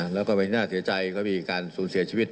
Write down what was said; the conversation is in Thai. แล้วก็ไม่น่าเสียใจก็มีการสูญเสียชีวิต